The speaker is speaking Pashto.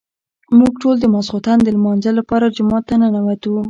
موږ ټول د ماسخوتن د لمانځه لپاره جومات ته ننوتو.